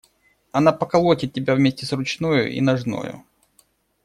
Она поколотит тебя вместе с ручною и ножною.